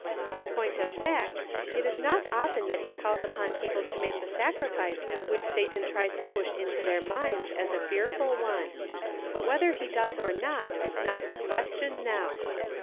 In point of fact, it is not often that he calls upon people to make the sacrifice which Satan tries to push into their minds as a fearful one ; but whether he does or not is not the question now.